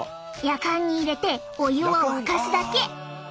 やかんに入れてお湯を沸かすだけ！